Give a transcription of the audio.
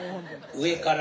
上から。